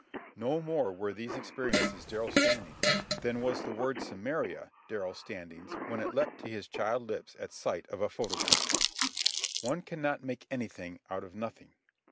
No more were these experiences Darrell Standing's than was the word "Samaria" Darrell Standing's when it leapt to his child lips at sight of a photograph. One cannot make anything out of nothing.